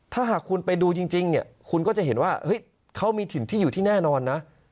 ถ้าหากคุณไปดูจริงเนี่ยคุณก็จะเห็นว่าเฮ้ยเขามีถิ่นที่อยู่ที่แน่นอนนะ